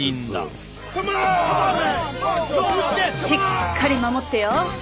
しっかり守ってよ。